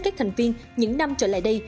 các thành viên những năm trở lại đây